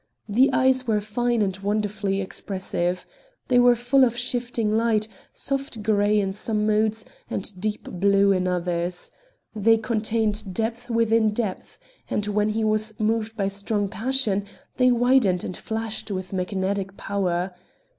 The eyes were fine and wonderfully expressive. They were full of shifting light, soft grey in some moods and deep blue in others. They contained depth within depth; and when he was moved by strong passion they widened and flashed with magnetic power.